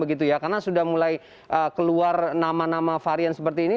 karena sudah mulai keluar nama nama varian seperti ini